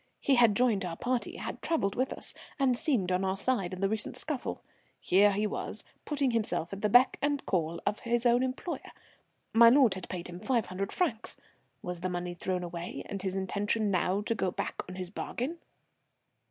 He had joined our party, had travelled with us, and seemed on our side in the recent scuffle, here he was putting himself at the beck and call of his own employer. My lord had paid him five hundred francs. Was the money thrown away, and his intention now to go back on his bargain?